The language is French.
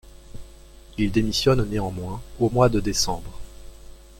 Il démissionne néanmoins au mois de décembre.